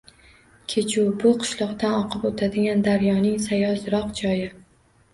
Kechuv – bu qishloqdan oqib oʻtadigan daryoning sayozroq joyi